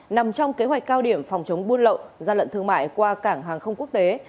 nằm trong kế hoạch cao điểm phòng chống buôn lậu gian lận thương mại qua cảng hàng không quốc tế